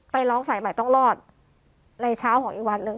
ไปร้องสายใหม่ต้องรอดในเช้าของอีกวันหนึ่ง